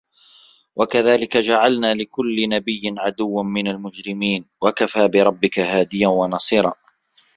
وَكَذلِكَ جَعَلنا لِكُلِّ نَبِيٍّ عَدُوًّا مِنَ المُجرِمينَ وَكَفى بِرَبِّكَ هادِيًا وَنَصيرًا